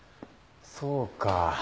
そうか。